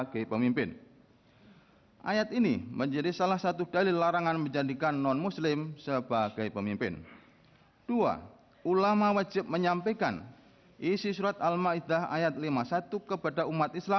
kepulauan seribu kepulauan seribu